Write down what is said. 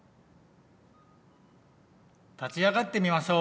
立ち上がってみましょう！